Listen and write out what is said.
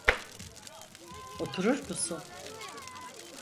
Oturur musun?